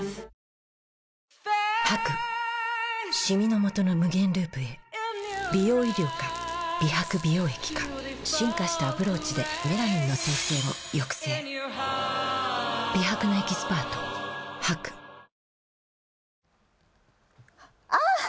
シミのもとの無限ループへ美容医療か美白美容液か進化したアプローチでメラニンの生成を抑制美白のエキスパートあっ！